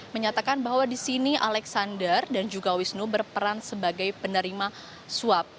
menyatakan bahwa di sini alexander dan juga wisnu berperan sebagai penerima suap